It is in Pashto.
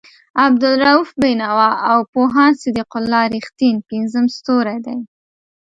عبالرؤف بېنوا او پوهاند صدیق الله رښتین پنځم ستوری دی.